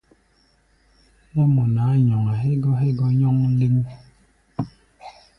Nɛ́ mɔ nʼaá nyɔŋa hégɔ́ hégɔ́ nyɔ́ŋ léŋ.